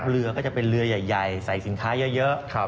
เรือก็จะเป็นเรือใหญ่ใส่สินค้าเยอะ